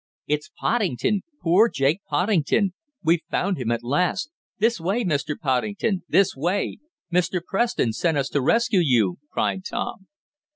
"It's Poddington! Poor Jake Poddington. We've found him at last! This way, Mr. Poddington! This way! Mr. Preston sent us to rescue you!" cried Tom.